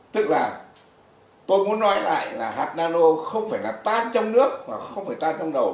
tức là tôi muốn nói lại là hạt nano không phải là ta trong nước mà không phải tan trong đầu